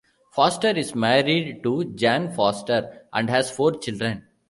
Foster is married to Jan Foster and has four children.